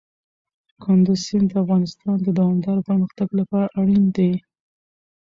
کندز سیند د افغانستان د دوامداره پرمختګ لپاره اړین دي.